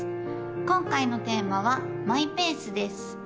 今回のテーマは「マイペース」です